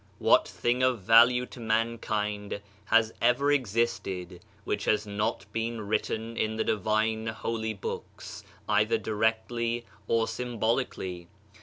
What thing of value to mankind has ever ex isted, which has not been written in the divine holy Books, cither directly or symbolically?